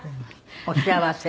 お幸せ。